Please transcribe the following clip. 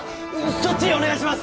そっちお願いします